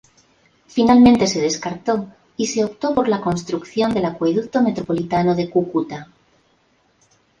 Finalmente se descartó, y se optó por la construcción del Acueducto Metropolitano de Cúcuta.